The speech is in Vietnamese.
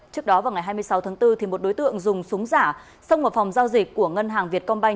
trước đó vào ngày hai mươi sáu tháng bốn một đối tượng dùng súng giả xong một phòng giao dịch của ngân hàng việt combine